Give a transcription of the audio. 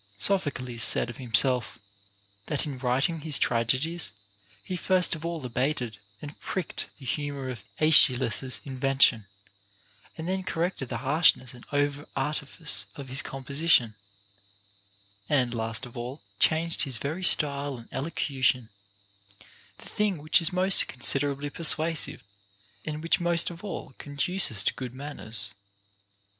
Sophocles said of himself, that in writing his tragedies he first, of all abated and pricked the tumor of Aeschylus's invention, then corrected the harshness and over artifice of his composition, and, last of all, changed his very style and elocution, the thing OF MAN'S PROGRESS IN VIRTUE. 457 which is most considerably persuasive, and which most of all conduces to good manners.